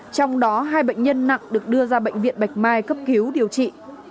trong đó hai bệnh nhân nặng được đưa ra bệnh viện bạch mai cấp cứu điều trị